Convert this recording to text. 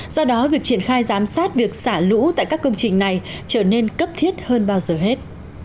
do đó việc triển khai giám sát việc xả lũ tại các công trình này trở nên cấp thiết hơn bao giờ hết